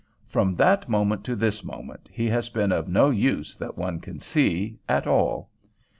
From that moment to this moment he has been of no use, that one can see, at all.